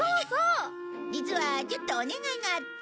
実はちょっとお願いがあって。